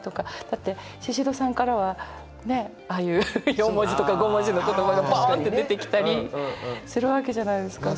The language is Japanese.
だってシシドさんからはねっああいう４文字とか５文字の言葉がボンって出てきたりするわけじゃないですか。